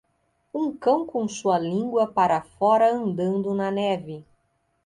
Um cão com sua língua para fora andando na neve.